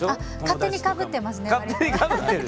勝手にかぶってます。